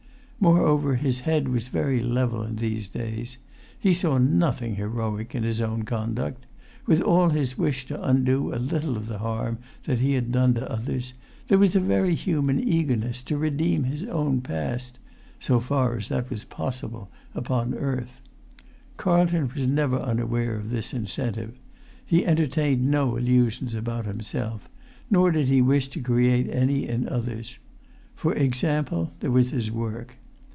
Moreover, his head was very level in these days. He saw nothing heroic in his own conduct. With all his wish to undo a little of the harm that he had done to others, there was a very human eagerness to redeem his own past, so far as that was possible upon earth. Carlton was never unaware of this incentive. He entertained no illusions about himself, nor did he wish to create any in others. For example, there was his work.